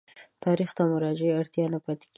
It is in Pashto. تاریخ ته د مراجعې اړتیا نه پاتېږي.